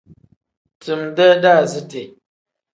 Time-dee daaziti.